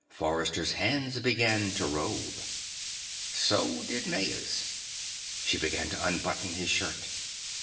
Forrester's hands began to rove. So did Maya's. She began to unbutton his shirt.